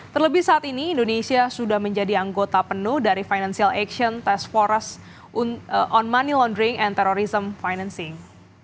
terlebih saat ini indonesia sudah menjadi anggota penuh dari financial action test forest on money laundering and terrorism financing